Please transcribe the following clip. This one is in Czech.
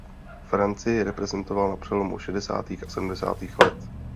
Francii reprezentoval na přelomu šedesátých a sedmdesátých let.